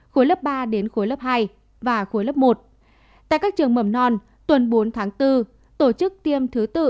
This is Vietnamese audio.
khối lớp ba đến khối lớp hai và khối lớp một tại các trường mầm non tuần bốn tháng bốn tổ chức tiêm thứ tự